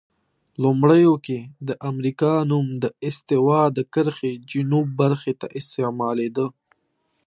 لومړیو کې د امریکا نوم د استوا د کرښې جنوب برخې ته استعمالیده.